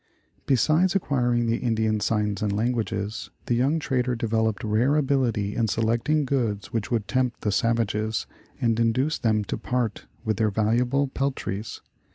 Besides acquiring the Indian signs and languages, the young trader developed rare ability in selecting goods which would tempt the savages, and induce them to part with their valuable peltries.